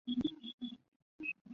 有人拜年到访时用作款客之用。